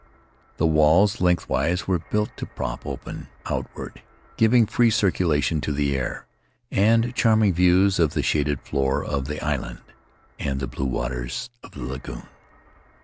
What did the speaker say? The walls lengthwise were built to prop open outward, giving free circulation to the air and charming views of the shaded floor of the island and the blue waters of the lagoon.